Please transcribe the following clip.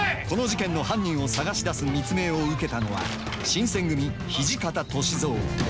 この事件の犯人を探し出す密命を受けたのは新選組土方歳三。